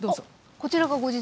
こちらがご自宅？